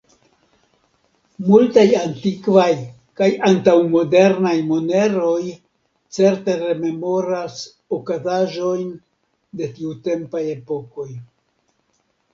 Multaj antikvaj kaj antaŭ-modernaj moneroj certe rememoras okazaĵojn de tiutempaj epokoj.